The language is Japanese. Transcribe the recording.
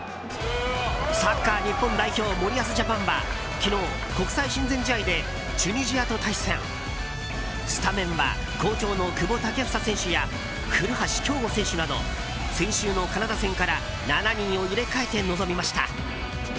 サッカー日本代表森保ジャパンは昨日、国際親善試合でチュニジアと対戦。スタメンは好調の久保建英選手や古橋亨梧選手など先週のカナダ戦から７人を入れ替えて臨みました。